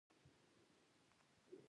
ځغاسته د سړي باور زیاتوي